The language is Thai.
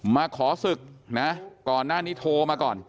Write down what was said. มาขอศึกนะก่อนหน้านี้โทรมาก่อน